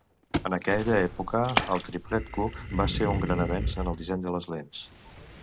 En aquella època, el triplet Cooke va ser un gran avenç en el disseny de les lents.